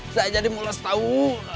saya jadi mulas tahu